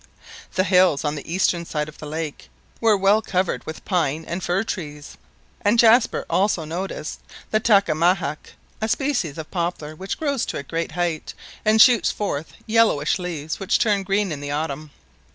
The hills on the eastern side, of the lake were well covered with pine and fir trees; and Jaspar also noticed the "tacamahac," a species of poplar which grows to a great height and shoots forth yellowish leaves which turn green in the autumn.